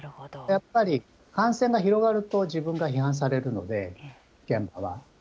やっぱり、広がると、自分が批判されるので、現場は。